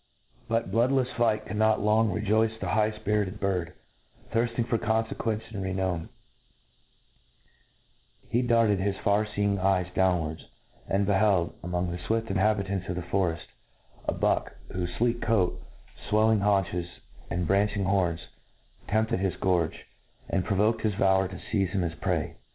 ^But bloodlefs flight could notlong rejoice the higb fpirited bird, thirfting for conqueft and re nown* He darted his far feeing eyes down Wards, and beheld, among the fwift inhabitants of the foreft, a buck, whofc fleek coat, fwelling hiunchesj and branching, horns, tempted his gorge, and provoked his valour to fcize him ato his prey.